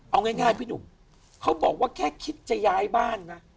เอาง่ายพี่หนุ่มเขาบอกว่าแค่คิดจะย้ายบ้านนะ